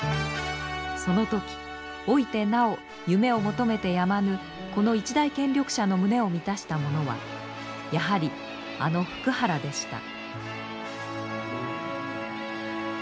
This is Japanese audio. その時老いてなお夢を求めてやまぬこの一大権力者の胸を満たしたものはやはりあの福原でした。